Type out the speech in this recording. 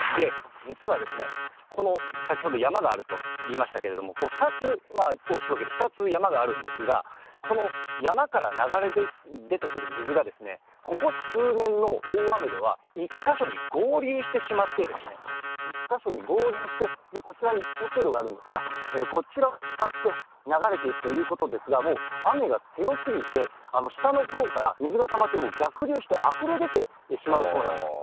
実はですね、この、先ほど山があると言いましたけれども、２つ、大きく分けて２つ山があるんですが、この山から流れ出てくる水が、ここ数年の大雨では、１か所に合流してしまって、１か所に合流して、こちらに用水路があるんですが、こちらを伝って流れていくということですが、もう雨が強すぎて、下のほうから水がたまってもう、逆流してあふれ出てしまうそうなんです。